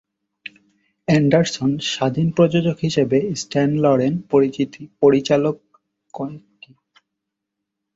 Anderson স্বাধীন প্রযোজক হিসেবে স্ট্যান লরেল পরিচালিত কয়েকটি নির্বাক হাস্যরসাত্মক চলচ্চিত্রে অর্থায়ন করেন।